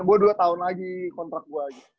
gua dua tahun lagi kontrak gua aja